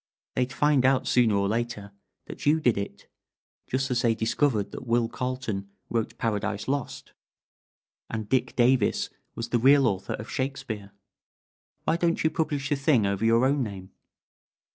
"They'd find out, sooner or later, that you did it, just as they discovered that Will Carleton wrote 'Paradise Lost,' and Dick Davis was the real author of Shakespeare. Why don't you publish the thing over your own name?"